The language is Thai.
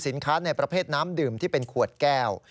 ในประเภทน้ำดื่มที่เป็นขวดแก้ว